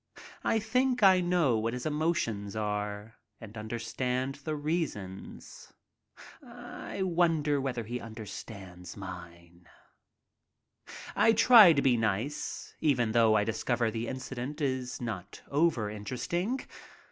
I think I know what his emotions are and understand the reasons. I wonder whether he understands mine. I try to be nice, even though I discover the incident is not overinteresting.